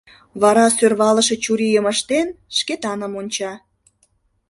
Вара сӧрвалыше чурийым ыштен, Шкетаным онча.